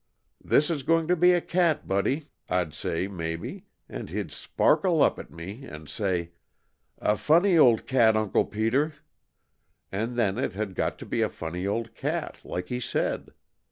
'This is going to be a cat, Buddy,' I'd say, maybe, and he'd sparkle up at me and say, 'A funny old cat, Uncle Peter!' and then it had got to be a funny old cat, like he said.